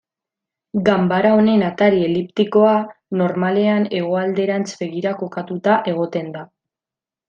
Ganbara honen atari eliptikoa normalean hegoalderantz begira kokatuta egoten da.